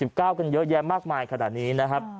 ๑๙บาทเป็นเยอะแยะมากมายขนาดนี้นะครับ